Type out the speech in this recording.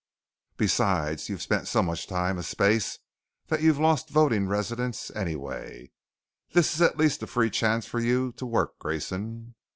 Besides you've spent so much time a space that you've lost voting residence anyway. This is at least a free chance for you to work, Grayson."